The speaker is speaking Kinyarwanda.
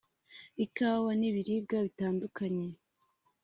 ikawa n’ibiribwa bitandukanye